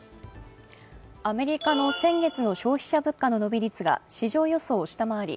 アメリカの先月の消費者物価の伸び率が市場予想を下回り